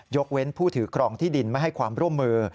เว้นผู้ถือครองที่ดินไม่ให้ความร่วมมือ